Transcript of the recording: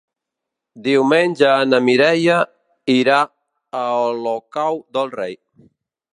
Diumenge na Mireia irà a Olocau del Rei.